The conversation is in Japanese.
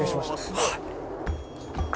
はい。